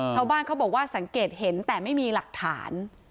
ชาวบ้านเขาบอกว่าสังเกตเห็นแต่ไม่มีหลักฐาน